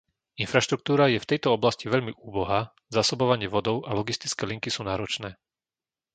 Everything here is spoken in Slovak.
Infraštruktúra je v tejto oblasti veľmi úbohá, zásobovanie vodou a logistické linky sú náročné.